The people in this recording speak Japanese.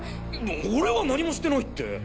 俺は何もしてないって。